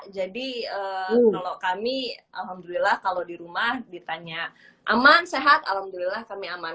jadi kalau kami alhamdulillah kalau di rumah ditanya aman sehat alhamdulillah kami aman